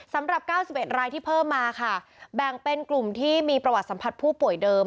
สำหรับ๙๑รายที่เพิ่มมาค่ะแบ่งเป็นกลุ่มที่มีประวัติสัมผัสผู้ป่วยเดิม